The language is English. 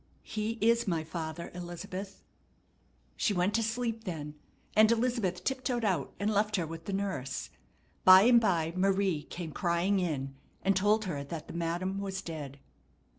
He is my Father, Elizabeth." She went to sleep then, and Elizabeth tiptoed out and left her with the nurse. By and by Marie came crying in, and told her that the Madam was dead.